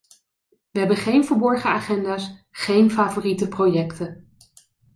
We hebben geen verborgen agenda's, geen favoriete projecten.